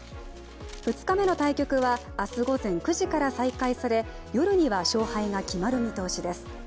２日目の対局は、明日午前９時から再開され、夜には勝敗が決まる見通しです。